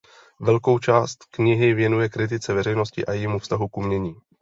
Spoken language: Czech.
Velkou část knihy věnuje kritice veřejnosti a jejímu vztahu k umění.